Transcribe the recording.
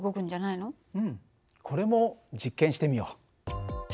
うんこれも実験してみよう。